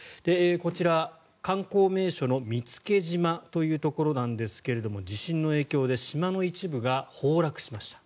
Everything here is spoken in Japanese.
こちら、観光名所の見附島というところなんですが地震の影響で島の一部が崩落しました。